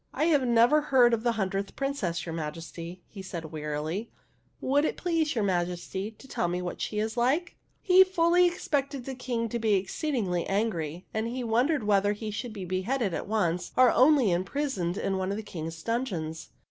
" I have never heard of the hundredth Prin cess, your Majesty," he said wearily. " Would it please your Majesty to tell me what she is like?" 6o THE HUNDREDTH PRINCESS He fully expected the King to be exceed ingly angry, and he wondered whether he should be beheaded at once or only imprisoned in one of the King's dungeons.